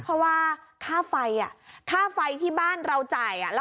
เพราะว่าค่าไฟค่าไฟที่บ้านเราจ่าย